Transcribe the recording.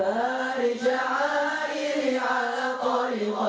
kisah kisah dari nu